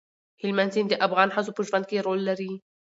هلمند سیند د افغان ښځو په ژوند کې رول لري.